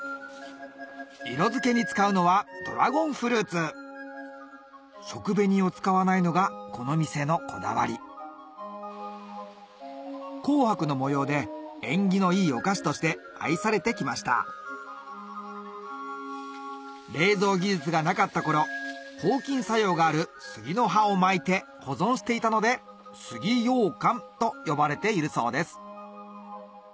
色付けに使うのは食紅を使わないのがこの店のこだわり紅白の模様で縁起のいいお菓子として愛されてきました冷蔵技術がなかった頃抗菌作用がある杉の葉を巻いて保存していたので杉ようかんと呼ばれているそうです